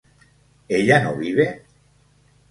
¿ella no vive?